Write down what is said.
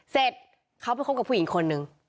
เสร็จเขาไปคบกับผู้หญิงคนนึง